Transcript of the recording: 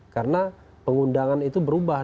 karena pengundangan itu berubah